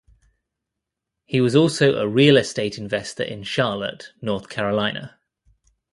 He was also a real estate investor in Charlotte, North Carolina.